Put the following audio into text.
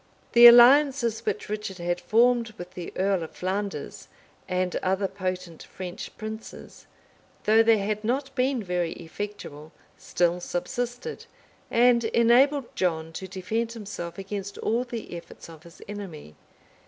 The alliances which Richard had formed with the earl of Flanders, and other potent French princes, though they had not been very effectual, still subsisted, and enabled John to defend himself against all the efforts of his enemy.